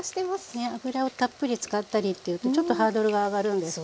ねえ油をたっぷり使ったりっていうとちょっとハードルが上がるんですけど。